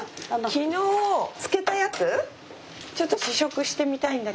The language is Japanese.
昨日漬けたやつちょっと試食してみたいんだけど。